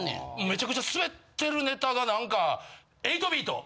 めちゃくちゃスベってるネタが何か８ビート。